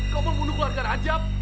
kau membunuh keluarga rajab